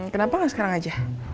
kenapa gak sekarang aja